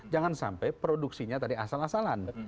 jangan sampai produksinya tadi asal asalan